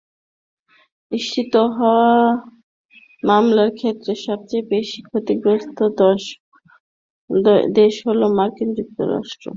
নিশ্চিত হওয়া মামলার ক্ষেত্রে সবচেয়ে বেশি ক্ষতিগ্রস্ত দেশ হ'ল মার্কিন যুক্তরাষ্ট্র, স্পেন, ইতালি, ফ্রান্স, জার্মানি, যুক্তরাজ্য, তুরস্ক এবং চীন।